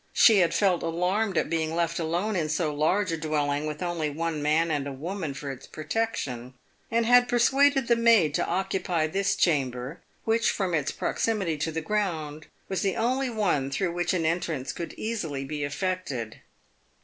She had felt alarmed at being left alone in so large a dwelling with only one man and a woman for its protection, and had persuaded the maid to occupy this chamber, which from its proximity to the ground was the only one through which an entrance could easily be effected.